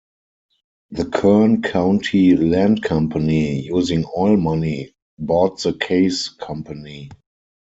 The Kern County Land Company, using oil money, bought the Case Company.